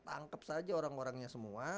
tangkep saja orang orangnya semua